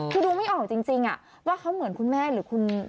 คือดูไม่ออกจริงว่าเขาเหมือนคุณแม่หรือคุณ